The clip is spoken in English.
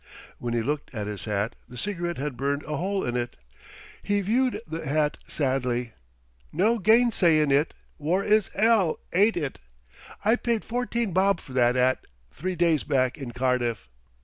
When he looked at his hat the cigarette had burned a hole in it. He viewed the hat sadly. "No gainsayin' it, war is 'ell, ain't it? I paid fourteen bob for that 'at three days back in Cardiff."